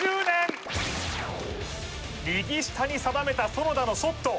右下に定めた園田のショット